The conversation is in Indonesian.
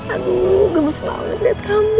aduh gemes banget lihat kamu